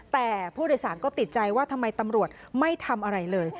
แต่ผู้โดยสารก็ติดใจว่าทำไมตำรวจไม่ทำอะไรเลย